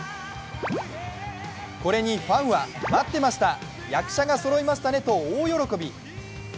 これにファンは、待ってました、役者がそろいましたねと大喜び。